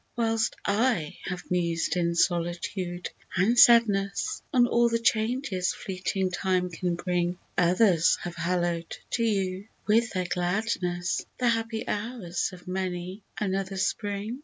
Whilst / have mused in solitude and sadness On all the changes fleeting time can bring, Others have hallow'd to you, with their gladness, The happy hours of many another Spring.